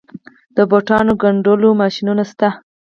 د بوټانو ګنډلو ماشینونه شته